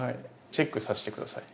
チェックさせて下さい。